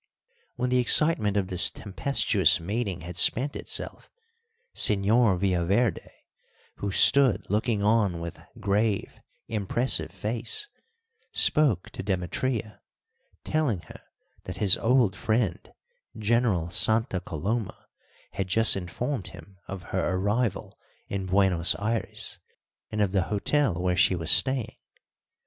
When the excitement of this tempestuous meeting had spent itself, Señor Villaverde, who stood looking on with grave, impressive face, spoke to Demetria, telling her that his old friend, General Santa Coloma, had just informed him of her arrival in Buenos Ayres and of the hotel where she was staying.